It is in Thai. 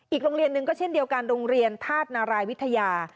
โรงเรียนหนึ่งก็เช่นเดียวกันโรงเรียนธาตุนารายวิทยา